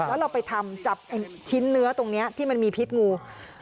แล้วเราไปทำจับชิ้นเนื้อตรงนี้ที่มันมีพิษงู